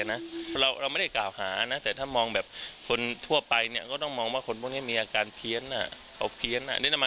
เพราะเราไม่ได้กล่าวหานะแต่ถ้ามองแบบคนทั่วไปเนี่ยก็ต้องมองว่าคนพวกนี้มีอาการเพี้ยนเขาเพี้ยน